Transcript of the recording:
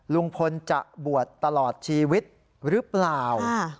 ลุงพลจะบวชตลอดชีวิตหรือเปล่า